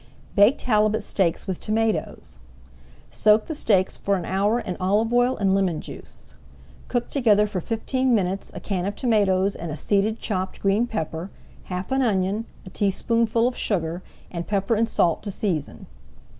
BAKED HALIBUT STEAKS WITH TOMATOES Soak the steaks for an hour in olive oil and lemon juice. Cook together for fifteen minutes a can of tomatoes and a seeded chopped green pepper, half an onion, a teaspoonful of sugar, and pepper and salt to season.